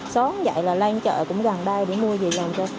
sớm vậy là lan chợ cũng gần đây để mua về làm cho